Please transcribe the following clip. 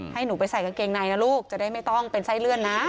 ให้หนูไปใส่กางเกงในนะลูกจะได้ไม่ต้องเป็นไส้เลื่อนนะ